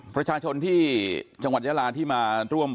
ประชาชนที่จังหวัดยาลาที่มาร่วมปกป้องสถาบัน